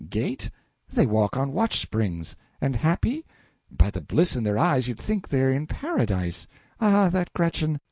Gait? they walk on watch springs! And happy? by the bliss in their eyes, you'd think they're in Paradise! Ah, that Gretchen!